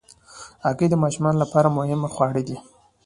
هګۍ د ماشومانو لپاره مهم خواړه دي.